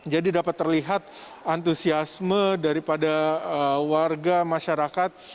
jadi dapat terlihat antusiasme daripada warga masyarakat